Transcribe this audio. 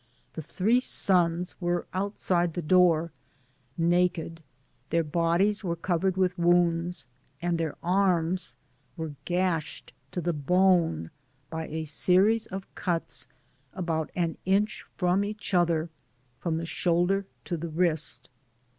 The three sons were outside the door naked, their bodies were covered with wounds, and their arms were gashed to the bone, by a series of cuts about an inch from each other^ from the shoul der to the wrist.